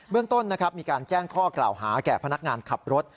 เมื่อต้นมีการแจ้งข้อเกลาหาแก่พนักงานขับรถ